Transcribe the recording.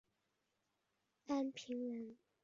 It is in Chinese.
安平人才辈出。